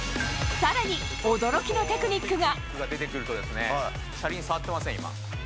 さらに驚きのテクニックが。